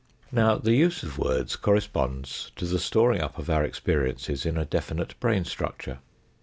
Now, the use of words corresponds to the storing up of our experience in a definite brain structure.